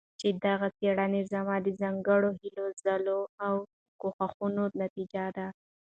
چې دغه څيړنه زما د ځانګړو هلو ځلو او کوښښونو نتيجه ده